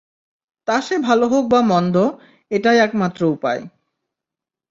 তা সে ভালো হোক বা মন্দ, এটাই একমাত্র উপায়।